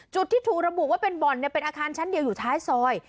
จุดที่ถูกระบุว่าเป็นบ่อนเป็นอาคารชั้นเดียวอยู่ท้ายซอย